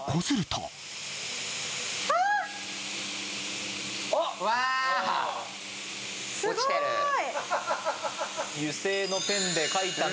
すごい。